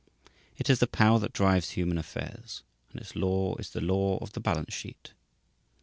It is the power that drives human affairs; and its law is the law of the balance sheet.